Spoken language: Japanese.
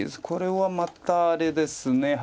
これはまたあれですね